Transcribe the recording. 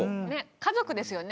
家族ですよね。